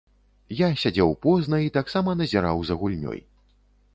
Я сядзеў позна і таксама назіраў за гульнёй.